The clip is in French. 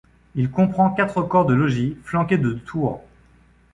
Il comprend quatre corps de logis, flanqués de tours.